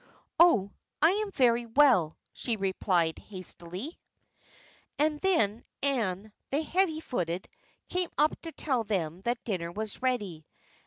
"Oh, I am very well," she replied, hastily; and then Ann, the heavy footed, came up to tell them that dinner was ready.